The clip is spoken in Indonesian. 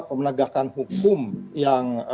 penegakan hukum yang